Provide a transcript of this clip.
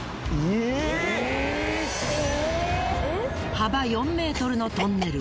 幅４ｍのトンネル。